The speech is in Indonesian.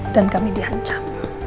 dan kami dihancam